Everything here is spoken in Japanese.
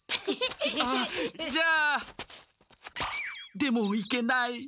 でも行けない。